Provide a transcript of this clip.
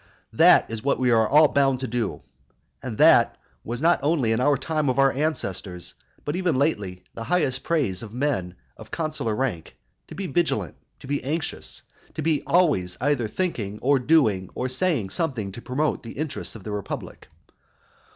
That is what we were all bound to do, and that was not only in the time of our ancestors, but even lately, the highest praise of men of consular rank, to be vigilant, to be anxious, to be always either thinking, or doing, or saying something to promote the interests of the republic.